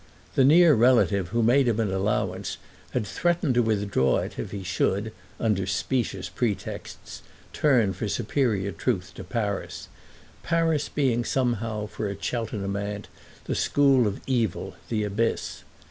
The near relative who made him an allowance had threatened to withdraw it if he should, under specious pretexts, turn for superior truth to Paris—Paris being somehow, for a Cheltenham aunt, the school of evil, the abyss.